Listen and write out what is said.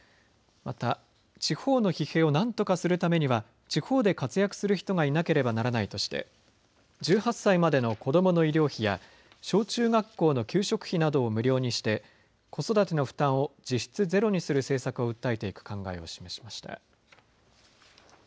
また地方の疲弊をなんとかするためには地方で活躍する人がいなければならないとして１８歳までの子どもの医療費や小中学校の給食費などを無料にして子育ての負担を実質ゼロにする政策を訴えていく考えを示しました。